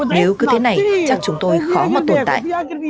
nếu cứ thế này chắc chúng tôi khó mà tồn tại